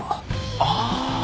ああ！